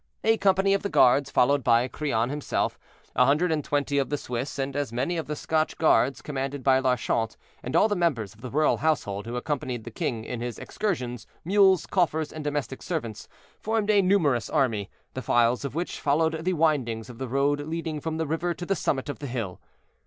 A company of the guards, followed by Crillon himself, a hundred and twenty of the Swiss, and as many of the Scotch guards, commanded by Larchant, and all the members of the royal household who accompanied the king in his excursions, mules, coffers, and domestic servants, formed a numerous army, the files of which followed the windings of the road leading from the river to the summit of the hill.